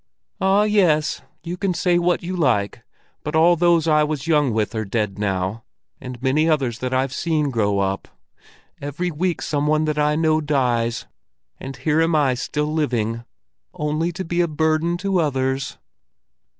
"Ah yes, you can say what you like, but all those I was young with are dead now, and many others that I've seen grow up. Every week some one that I know dies, and here am I still living, only to be a burden to others."